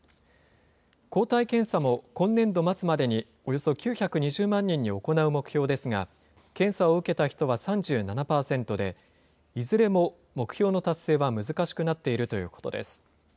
抗体検査も今年度末までにおよそ９２０万人に行う目標ですが、検査を受けた人は３７％で、いずれも目標の達成は難しくなっているということです。